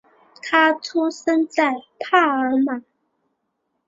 他出生在帕尔马。